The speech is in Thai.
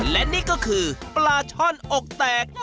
และนี่ก็คือปลาช่อนอกแตก